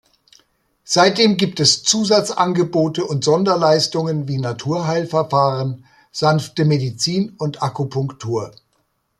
Seitdem gibt es Zusatzangebote und Sonderleistungen wie Naturheilverfahren, sanfte Medizin und Akupunktur.